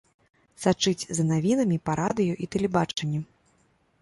Сачыць за навінамі па радыё і тэлебачанні.